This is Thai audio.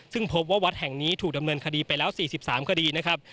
ซึ่งพบว่าวัดแห่งนี้ถูกดำเนินคดีไปแล้ว๔๓คดีนะครับ